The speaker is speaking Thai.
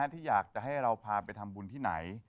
ที่อยากจะให้เราพาไปทำบุญที่ไหน